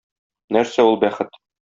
Нәрсә ул бәхет?